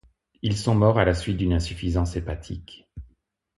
Ils sont morts à la suite d'une insuffisance hépatique.